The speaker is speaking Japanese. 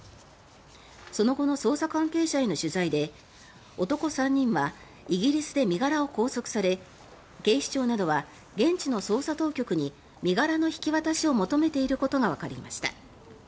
その後の捜査関係者への取材で男３人はイギリスで身柄を拘束され警視庁などは現地の捜査当局に身柄の引き渡しを求めていることがわかりました。